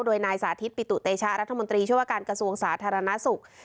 โดยนายสาธิตปิตุเตชะรัฐมนตรีช่วยว่าการกระทรวงสาธารณสุข